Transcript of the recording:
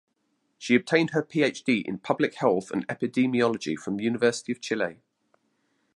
She obtained her PhD in Public Health and Epidemiology from the University of Chile.